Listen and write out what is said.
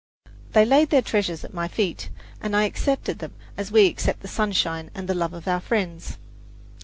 They laid their treasures at my feet, and I accepted them as we accept the sunshine and the love of our friends.